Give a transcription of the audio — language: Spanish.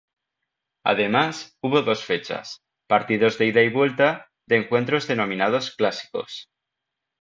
Además, hubo dos fechas, partidos de ida y vuelta, de encuentros denominados clásicos.